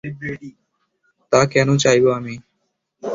তা কেন চাইবো আমি?